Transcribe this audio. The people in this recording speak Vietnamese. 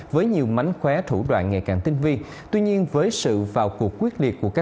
với nhiều mánh khóe thủ đoạn ngày càng tinh vi